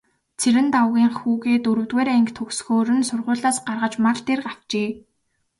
Цэрэндагвынх хүүгээ дөрөвдүгээр анги төгсөхөөр нь сургуулиас гаргаж мал дээр авчээ.